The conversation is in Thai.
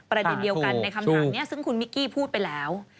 ประเด็นเดียวกันในคำถามนี้ซึ่งคุณมิกกี้พูดไปแล้ว